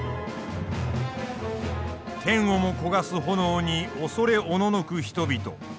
天をも焦がす炎に恐れおののく人々。